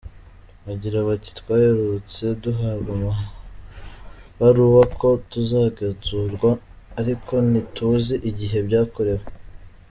Bagira bati “Twaherutse duhabwa amabaruwa ko tuzagenzurwa, ariko ntituzi igihe byakorewe.